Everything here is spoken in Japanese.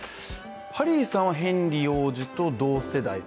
ハリーさんはヘンリー王子と同世代？